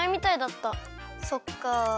そっかあ。